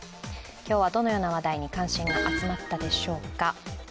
今日はどのような話題に関心が集まったのでしょうか。